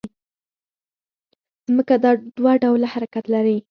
ځمکه دوه ډوله حرکت لري